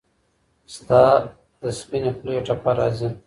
ستاد سپيني خولې ټپه راځـي